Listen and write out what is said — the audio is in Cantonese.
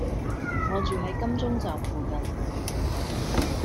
我住喺金鐘站附近